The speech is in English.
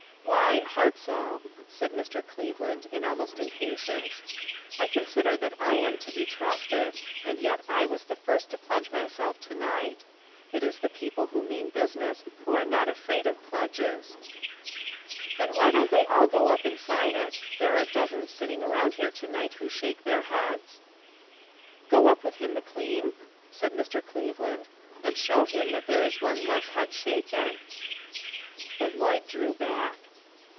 " Why, Hartzell," said Mr. Cleveland, in almost impatience, "I consider that I am to be trusted, and yet I was the first to pledge myself to night. It is the people who mean business who are not afraid of pledges." " Then why don't they all go up and sign it? There are dozens sitting around here to night who shake their heads." "Go up with him, McLean," said Mr. Cleveland, " and show him . that there is one less head shaken." But Lloyd drew back.